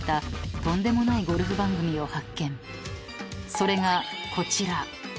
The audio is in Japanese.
［それがこちら］